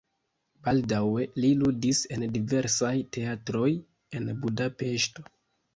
Baldaŭe li ludis en diversaj teatroj en Budapeŝto.